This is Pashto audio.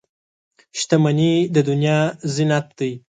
• شتمني د دنیا زینت دی.